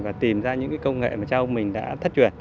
và tìm ra những cái công nghệ mà châu âu mình đã thất truyền